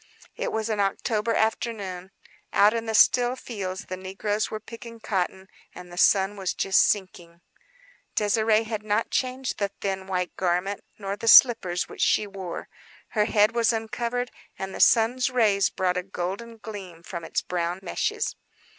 It was an October afternoon; the sun was just sinking. Out in the still fields the negroes were picking cotton. Désirée had not changed the thin white garment nor the slippers which she wore. Her hair was uncovered and the sun's rays brought a golden gleam from its brown meshes.